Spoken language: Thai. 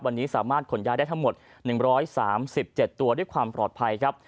วันนี้สามารถขนย้ายได้ทั้งหมด๑๓๗ตัวด้วยความปลอดภัยครับ